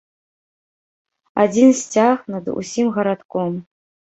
Адзін сцяг над усім гарадком!